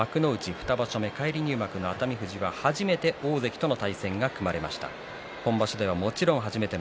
２場所目、返り入幕の熱海富士、初めて大関戦が組まれました。